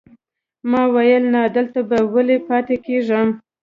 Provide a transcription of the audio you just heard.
ما ویل نه، دلته به ولې پاتې کېږم.